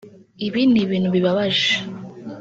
Ibi ni ibintu bibabaje